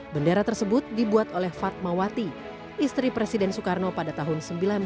bendera tersebut dibuat oleh fatmawati istri presiden soekarno pada tahun seribu sembilan ratus sembilan puluh